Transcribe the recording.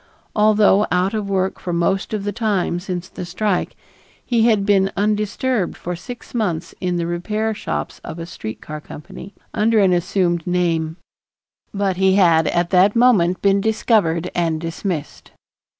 Although out of work for most of the time since the strike, he had been undisturbed for six months in the repair shops of a street car company, under an assumed name, but he had at that moment been discovered and dismissed.